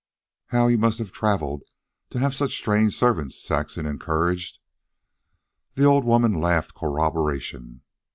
"How you must have traveled to have such strange servants!" Saxon encouraged. The old woman laughed corroboration.